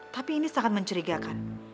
tapi ini sangat mencurigakan